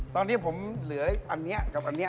ตอนนี้ผมเหลืออันนี้กับอันนี้